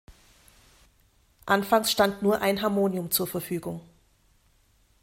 Anfangs stand nur ein Harmonium zur Verfügung.